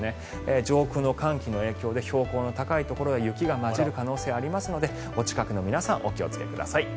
上空の寒気の影響で標高の高いところは雪が交じる可能性がありますのでお近くの皆さんお気をつけください。